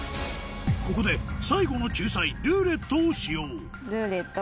ここで最後の救済「ルーレット」を使用ルーレット。